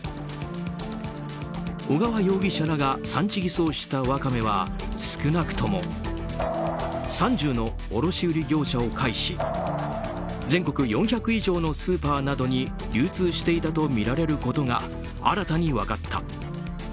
小川容疑者らが産地偽装したワカメは少なくとも３０の卸売業者を介し全国４００以上のスーパーなどに流通していたとみられることが新たに分かった。